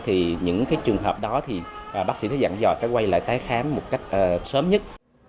thì những cái trường hợp đó thì bác sĩ dặn dò sẽ quay lại tái khám một cách sớm nhất